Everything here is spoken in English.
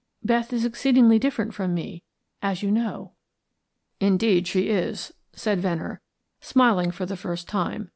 Beth is exceedingly different from me, as you know." "Indeed, she is," said Venner, smiling for the first time.